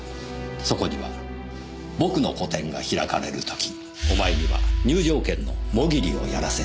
そこには「僕の個展が開かれるときお前には入場券のモギリをやらせてやる」とありました。